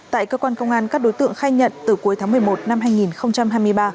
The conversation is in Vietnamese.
tại cơ quan công an các đối tượng khai nhận từ cuối tháng một mươi một năm hai nghìn hai mươi ba